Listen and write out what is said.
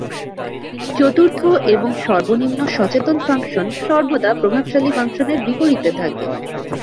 চতুর্থ এবং সর্বনিম্ন সচেতন ফাংশন সর্বদা প্রভাবশালী ফাংশনের বিপরীতে থাকে।